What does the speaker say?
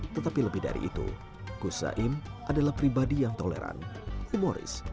tetapi lebih dari itu gus zaim adalah pribadi yang toleran humoris